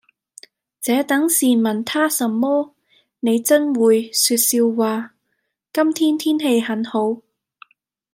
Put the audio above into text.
「這等事問他甚麼。你眞會……説笑話。……今天天氣很好。」